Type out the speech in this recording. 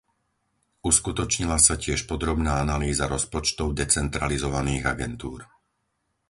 Uskutočnila sa tiež podrobná analýza rozpočtov decentralizovaných agentúr.